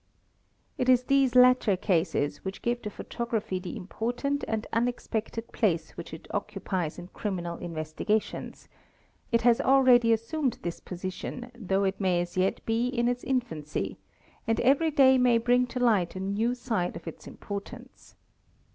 It is these latter cases which give to photography the important and unexpected place which it occupies in criminal investi gations; it has already assumed this position though it may as yet be in its infancy and every day may bring to light a new side of its importan e.